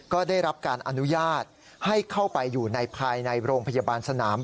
ก็ได้รับการอนุญาตให้เข้าไปอยู่ในภายในโรงพยาบาลสนาม